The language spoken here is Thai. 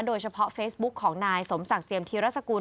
โดยเฉพาะเฟซบุ๊กของนายสมศักดิ์เจียมธีรสกุล